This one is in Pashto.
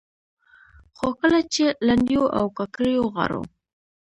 خو کله چې لنډيو او کاکړيو غاړو